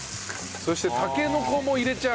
そしてタケノコも入れちゃう。